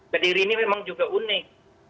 ke diri ini memang juga unik